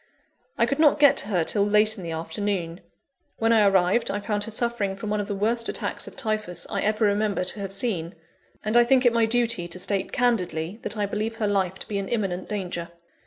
I could not get to her till late in the afternoon. When I arrived, I found her suffering from one of the worst attacks of Typhus I ever remember to have seen; and I think it my duty to state candidly, that I believe her life to be in imminent danger.